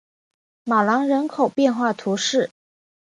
马朗人口变化图示